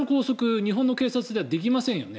日本の警察ではできませんよね。